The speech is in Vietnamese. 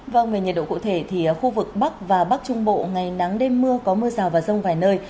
vâng về nhiệt độ cụ thể thì khu vực bắc và bắc trung bộ ngày nắng đêm mưa có mưa rào và rông vài nơi